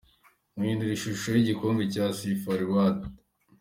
Guhindagura ishusho y’igikombe cya ‘Sifa Reward’.